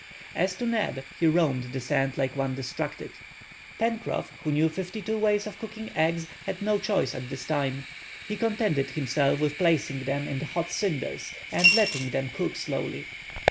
As to Neb, he roamed the sand like one distracted. Pencroff, who knew fifty two ways of cooking eggs, had no choice at this time. He contented himself with placing them in the hot cinders and letting them cook slowly.